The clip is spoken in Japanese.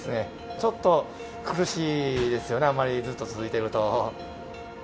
ちょっと苦しいですよね、あまりずっと続いていると。